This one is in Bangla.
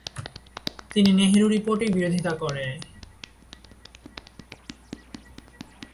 তিনি নেহেরু রিপোর্টের বিরোধিতা করে।